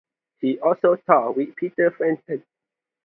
He also toured with Peter Frampton.